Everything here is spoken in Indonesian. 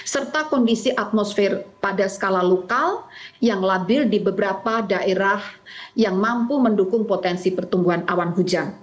serta kondisi atmosfer pada skala lokal yang labil di beberapa daerah yang mampu mendukung potensi pertumbuhan awan hujan